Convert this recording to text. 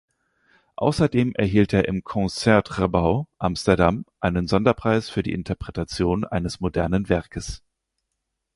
Außerdem erhielt er im Concertgebouw Amsterdam einen Sonderpreis für die Interpretation eines modernen Werkes.